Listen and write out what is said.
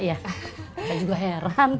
kakak juga heran